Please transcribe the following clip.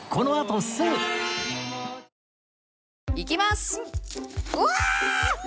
いきます！